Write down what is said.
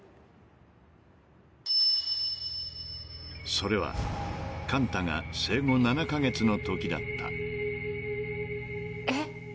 ［それは寛太が生後７カ月のときだった］えっ？